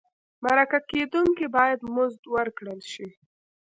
مرکه کېدونکی باید مزد ورکړل شي.